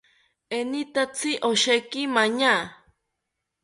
Enitatzi osheki maño